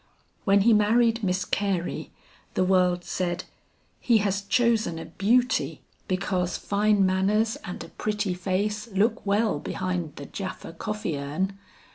When he married Miss Carey, the world said, 'He has chosen a beauty, because fine manners and a pretty face look well behind the Japha coffee urn!'